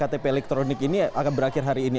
ktp elektronik ini akan berakhir hari ini